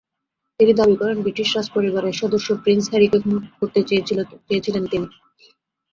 তিনি দাবি করেন, ব্রিটিশ রাজপরিবারের সদস্য প্রিন্স হ্যারিকে খুন করতে চেয়েছিলেন তিনি।